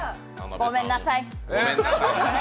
ごめんなさい。